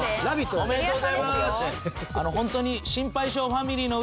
おめでとうございます。